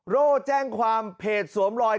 โร่แจ้งความเพจสวมรอย